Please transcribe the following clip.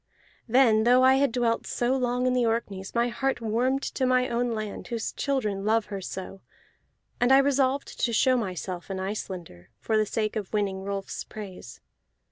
Then, though I had dwelt so long in the Orkneys, my heart warmed to my own land whose children love her so; and I resolved to show myself an Icelander, for the sake of winning Rolf's praise.